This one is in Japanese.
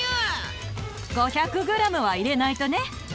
５００ｇは入れないとね。